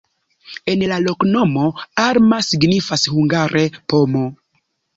En la loknomo alma signifas hungare: pomo.